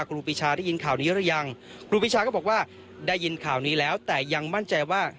ครูปีชาได้ยินข่าวนี้หรือยังครูปีชาก็บอกว่าได้ยินข่าวนี้แล้วแต่ยังมั่นใจว่า